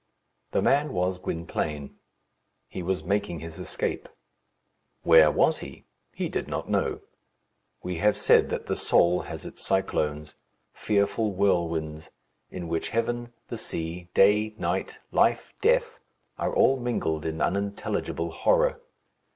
The man was Gwynplaine. He was making his escape. Where was he? He did not know. We have said that the soul has its cyclones fearful whirlwinds, in which heaven, the sea, day, night, life, death, are all mingled in unintelligible horror.